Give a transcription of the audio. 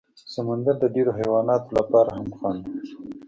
سمندر د ډېرو حیواناتو لپاره هم خنډ و.